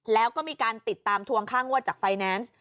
แล้วก็มีการติดตามทวงค่างวดจากไฟแนนซ์